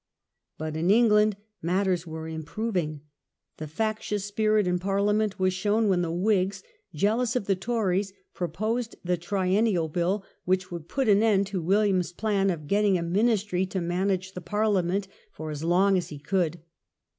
But in England matters were improving. The factious spirit in Parliament was shown when the Whigs, jealous of the Tories, proposed the Triennial Bill, which ^^igs gain would put an end to William's plan of getting ground, 1693 a ministry to manage the Parliament for as *^' long a time as he could.